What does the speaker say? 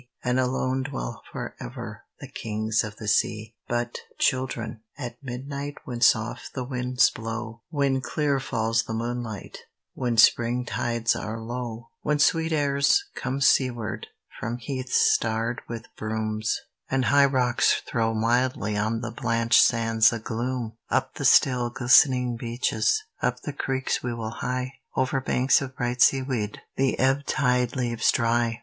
And alone dwell for ever The kings of the sea." But, children, at midnight, When soft the winds blow, When clear falls the moonlight, When spring tides are low; RAINBOW GOLD When sweet airs come seaward From heaths starred with broom, And high rocks tlirow mildly On the blanched sands a gloom; Up the still, glistening beaches, Up the creeks we will hie; Over banks of bright seaweed The ebb tide leaves dry.